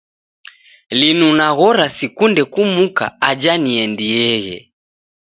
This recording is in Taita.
Linu naghora sikunde kumuka aja niendieghe.